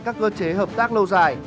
các cơ chế hợp tác lâu dài